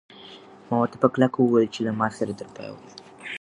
ما ورته په کلکه وویل چې له ما سره تر پایه اوسه.